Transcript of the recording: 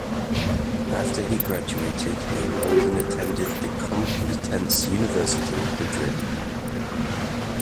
After he graduated, he enrolled and attended the Complutense University of Madrid.